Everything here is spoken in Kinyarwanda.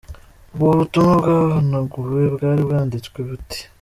Ubwo butumwa bwahanaguwe bwari bwanditswe buti: .